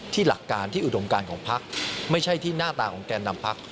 หลักการที่อุดมการของพักไม่ใช่ที่หน้าตาของแกนนำพัก